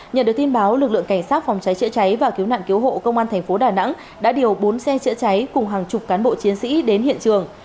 nhận được tin báo lực lượng cảnh sát phòng cháy chữa cháy và cứu nạn cứu hộ công an thành phố đà nẵng đã điều bốn xe chữa cháy cùng hàng chục cán bộ chiến sĩ đến hiện trường